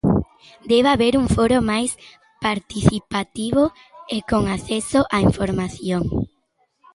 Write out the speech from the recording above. Debe haber un foro máis participativo e con acceso á información.